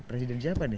presiden siapa nih